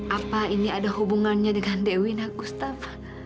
apa ini ada hubungannya dengan dewi dan gustaf